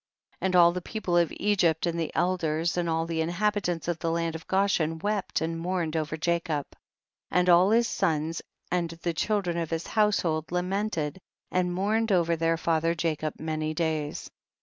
30. And all the people of Egypt and the elders and all the inhabitants of the land of Goshen wept and mourned over Jacob, and all his sons and the children of his household lamented and mourned over their father Jacob many days.